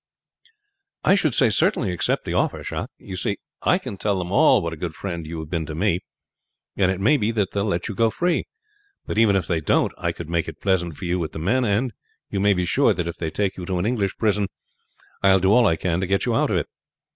"I should say certainly accept the offer, Jacques. You see, I can tell them all what a good friend you have been to me, and it maybe they will let you go free; but even if they don't I could make it pleasant for you with the men, and you may be sure that if they take you to an English prison I will do all I can to get you out of it.